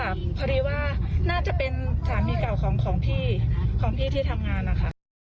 อ่าไม่ค่ะพอดีว่าน่าจะเป็นสามีเก่าของพี่พี่ที่ทำงานค่ะ